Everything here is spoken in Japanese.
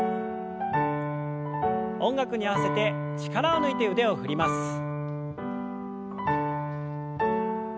音楽に合わせて力を抜いて腕を振ります。